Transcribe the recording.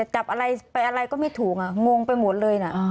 จับอะไรไปอะไรก็ไม่ถูกงงไปหมดเลยนะ